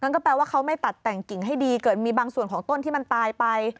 ก็แปลว่าเขาไม่ตัดแต่งกิ่งให้ดีเกิดมีบางส่วนของต้นที่มันตายไป